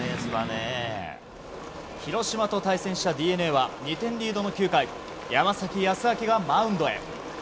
広島と対戦したＤｅＮＡは２点リードの９回山崎康晃がマウンドへ。